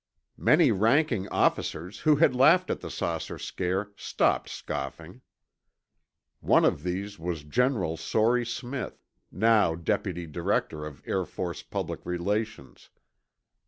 Many ranking officers who had laughed at the saucer scare stopped scoffing. One of these was General Sory Smith, now Deputy Director of Air Force Public Relations.